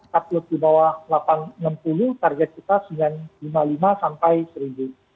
taktos di bawah rp delapan ratus enam puluh target kita rp sembilan puluh lima sampai rp satu